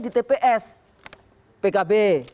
di tps pkb